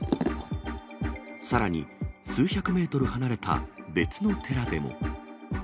さらに数百メートル離れた別の寺でも。